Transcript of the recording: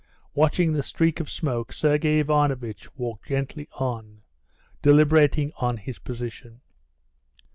Watching the streak of smoke, Sergey Ivanovitch walked gently on, deliberating on his position.